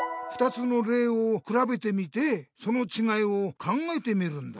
２つのれいをくらべてみてそのちがいを考えてみるんだ。